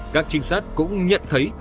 các trinh sát cũng nhận thấy